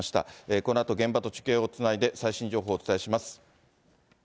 このあと現場と中継をつないで最新情報をお伝えします。